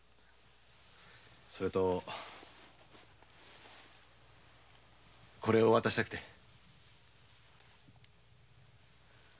それとこれを渡したくて。